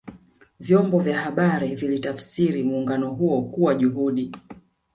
vyombo vya habari vilitafsiri muungano huo kuwa juhudi